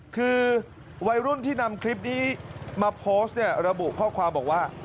คือวัยรุ่นที่นำคลิปนี้มาโพสต์เนี่ยระบุข้อความบอกว่า